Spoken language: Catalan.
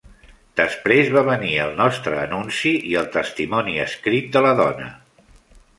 Després va venir el nostre anunci i el testimoni escrit de la dona.